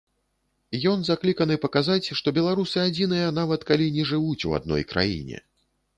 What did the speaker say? Ён закліканы паказаць, што беларусы адзіныя, нават калі не жывуць у адной краіне.